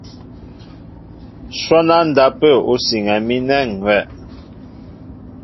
Shwɔ́n á ndápə̂ ú siŋɛ mi ánɛ̂ ŋ̀ hʉ́wɛ̂.